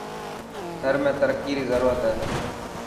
ٿر ۾ ترقي ري ضرورت هي.